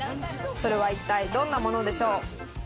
それは一体どんなものでしょう？